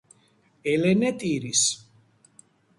ელენე ტირის